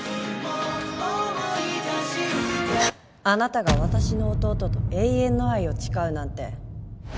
あなたが私の弟と永遠の愛を誓うなんて